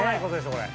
これ。